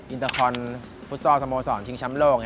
อินเตอร์คอนฟุตซอลสโมสรชิงช้ำโลก